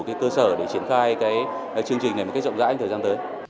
cái cơ sở để triển khai cái chương trình này một cách rộng rãi thời gian tới